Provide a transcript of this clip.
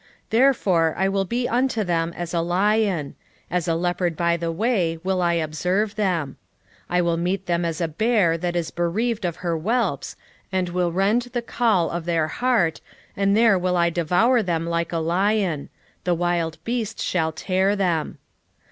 13:7 Therefore I will be unto them as a lion: as a leopard by the way will I observe them: 13:8 I will meet them as a bear that is bereaved of her whelps, and will rend the caul of their heart, and there will I devour them like a lion: the wild beast shall tear them.